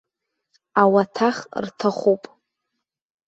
Ауаҭах рҭахуп.